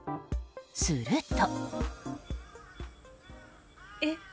すると。